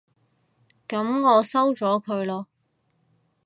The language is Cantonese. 噉我收咗佢囉